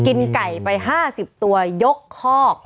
กินไก่ไป๕๐ตัวยกคอก